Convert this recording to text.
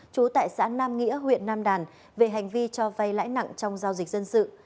trú tại xã nam nghĩa huyện nam đàn về hành vi cho vay lãi nặng trong giao dịch dân sự